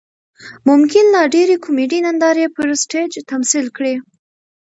ممکن لا ډېرې کومیډي نندارې پر سټیج تمثیل کړي.